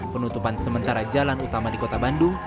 penutupan sementara jalan utama di kota bandung